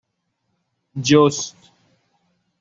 جُست